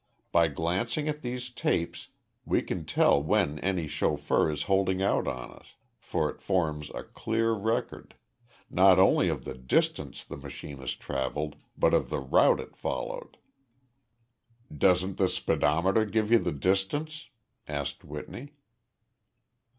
By glancing at these tapes we can tell when any chauffeur is holding out on us, for it forms a clear record not only of the distance the machine has traveled, but of the route it followed." "Doesn't the speedometer give you the distance?" asked Whitney.